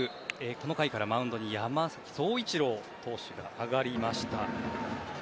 この回からマウンドに山崎颯一郎投手が上がりました。